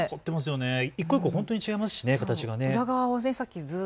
一個一個、本当に違いますしね。